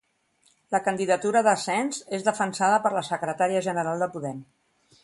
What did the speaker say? La candidatura d'Asens és defensada per la secretària general de Podem.